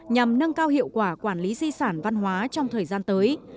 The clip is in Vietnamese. nhằm nâng cao hiệu quả quản lý di sản văn hóa trong thời gian tới